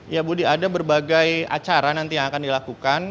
ya budi ada berbagai acara nanti yang akan dilakukan